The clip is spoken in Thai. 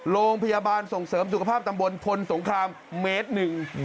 โรงพยาบาลส่งเสริมสุขภาพตำบลพลสงครามเมตรหนึ่ง